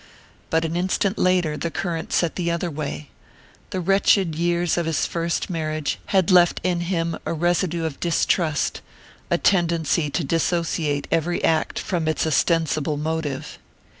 But an instant later the current set the other way. The wretched years of his first marriage had left in him a residue of distrust, a tendency to dissociate every act from its ostensible motive.